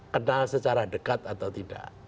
kenal secara dekat atau tidak